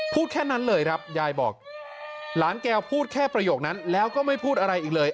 พูดแค่นั้นเลยครับยายบอกหลานแก้วพูดแค่ประโยคนั้นแล้วก็ไม่พูดอะไรอีกเลย